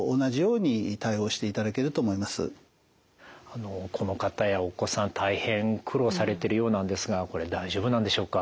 あのこの方やお子さん大変苦労されてるようなんですがこれ大丈夫なんでしょうか？